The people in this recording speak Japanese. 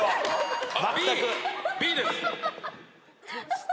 Ｂです！